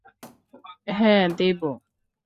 হ্যাঁ, দেব।